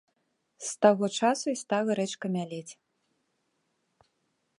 З таго часу і стала рэчка мялець.